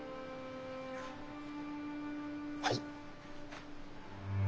はい？